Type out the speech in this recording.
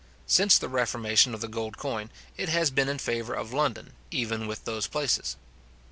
Since the reformation of the gold coin, it has been in favour of London, even with those places.